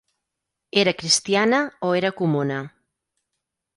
Era cristiana o era comuna.